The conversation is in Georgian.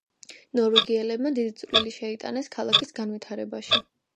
ნორვეგიელებმა დიდი წვლილი შეიტანეს ქალაქის განვითარებაში.